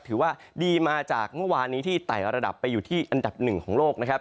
เชียวว่าดีมาจากเมื่อวานที่ไหนละระดับไปอยู่ที่อันดับ๑ของโลกนะครับ